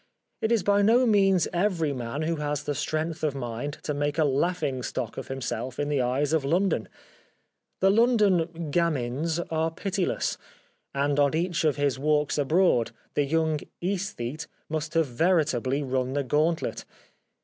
It is by no means every man who has the strength of mind to make a laughing stock of himself in the eyes of London. The London gamins are pitiless ; and on each of his walks abroad the young " aesthete " must have veritably run the gauntlet.